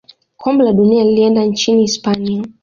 kombe la dunia lilienda nchini hispania